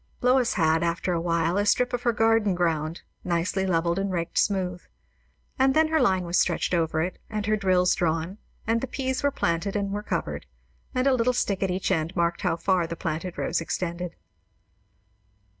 Lois had after a while a strip of her garden ground nicely levelled and raked smooth; and then her line was stretched over it, and her drills drawn, and the peas were planted and were covered; and a little stick at each end marked how far the planted rows extended.